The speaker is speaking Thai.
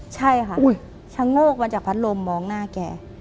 ใช่ค่ะชะโงกมาจากพัดลมมองหน้าแก